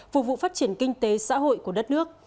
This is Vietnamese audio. phục vụ phát triển kinh tế xã hội của đất nước